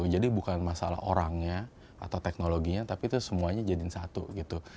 jadi bukan masalah orangnya atau teknologinya tapi itu semuanya jadi satu